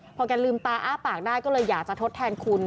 พอแกลืมตาอ้าปากได้ก็เลยอยากจะทดแทนคุณ